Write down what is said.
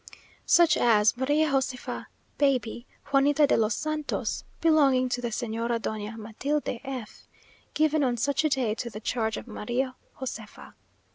Such as "María Josifa baby Juanita de los Santos belonging to the _Señora Doña Matilde F _, given on such a day to the charge of María Joséfa."